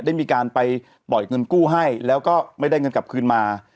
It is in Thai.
ได้มีการไปปล่อยเงินกู้ให้แล้วก็ไม่ได้เงินกลับคืนมา